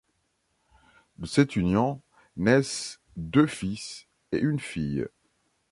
De cette union naissent deux fils et une fille.